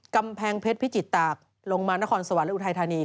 กำแพงเพชรพิจิตตากลงมานครสวรรค์และอุทัยธานี